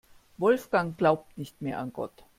Wolfgang glaubt nicht mehr an Gott.